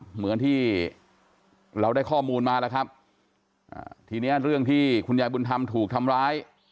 เหมือนที่เราได้ข้อมูลมาแล้วครับอ่าทีเนี้ยเรื่องที่คุณยายบุญธรรมถูกทำร้าย